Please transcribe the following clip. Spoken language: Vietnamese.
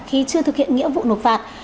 khi chưa thực hiện nghĩa vụ nộp phạt